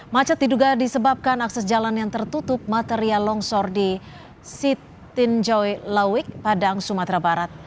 macet diduga disebabkan akses jalan yang tertutup material longsor di sitinjoi lawik padang sumatera barat